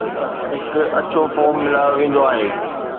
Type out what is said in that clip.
هڪ اڇو فوم ملايو ويندو آهي